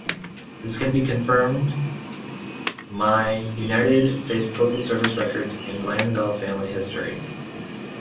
This can be confirmed my United States Postal Service records and Glanville family history.